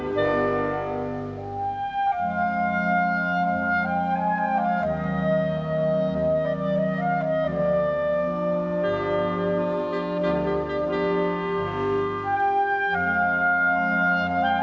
โปรดติดตามต่อไป